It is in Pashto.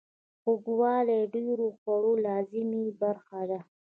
خوږوالی د ډیرو خوړو لازمي برخه ده.